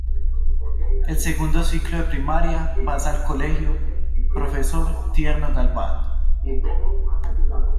El Segundo Ciclo de Primaria pasa al colegio "Profesor Tierno Galván".